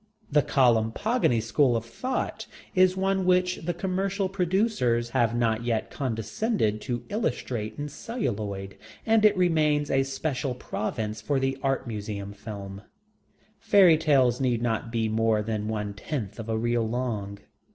The Colum Pogany School of Thought is one which the commercial producers have not yet condescended to illustrate in celluloid, and it remains a special province for the Art Museum Film. Fairy tales need not be more than one tenth of a reel long.